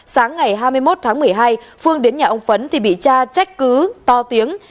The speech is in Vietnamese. sáng ngày hai mươi một tháng một mươi hai phương đến nhà ông phấn thì bị cha trách cứ to tiếng